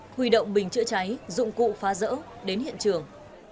huy động bình chữa cháy dụng cụ phá rỡ đến hiện trường